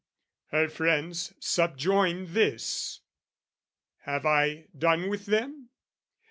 Her friends subjoin this have I done with them?